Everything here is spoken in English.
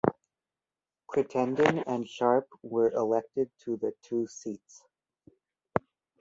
Crittenden and Sharp were elected to the two seats.